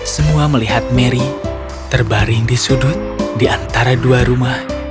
semua melihat mary terbaring di sudut di antara dua rumah